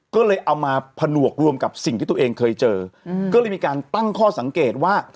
ก็เลยเอามาผนวกรวมกับสิ่งที่ตัวเองเคยเจอก็เลยมีการตั้งข้อสังเกตว่า